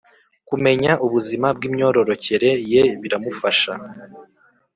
kumenya ubuzima bw’imyororokere ye biramufasha,